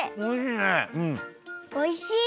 おいしい！